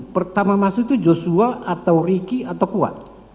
pertama masuk itu joshua atau riki atau kuat